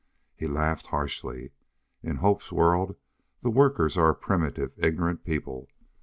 He laughed harshly. "In Hope's world the workers are a primitive, ignorant people.